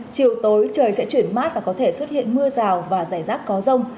chiều tối trời sẽ chuyển mát và có thể xuất hiện mưa rào và rải rác có rông